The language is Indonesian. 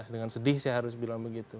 dengan sedih saya harus bilang begitu